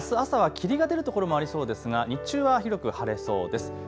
朝は霧が出るところもありそうですが日中は広く晴れそうです。